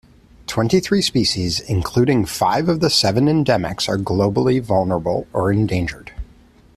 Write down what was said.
Twenty-three species, including five of the seven endemics, are globally vulnerable or endangered.